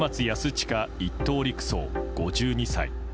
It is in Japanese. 親１等陸曹、５２歳。